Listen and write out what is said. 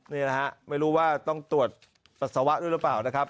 นี่แหละฮะไม่รู้ว่าต้องตรวจปัสสาวะด้วยหรือเปล่านะครับ